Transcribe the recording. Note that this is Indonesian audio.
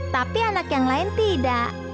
tapi anak yang lain tidak